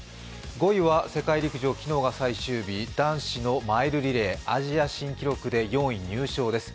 ５位は世界陸上、昨日が最終日男子のマイルリレーアジア新記録で４位入賞です。